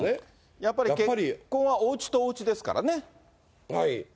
やっぱり結婚は、おうちとおうちですからね。